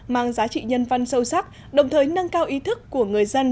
mang giá trị nhân văn sâu sắc đồng thời nâng cao ý thức của người dân